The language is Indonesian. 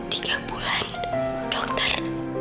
tiga bulan dokter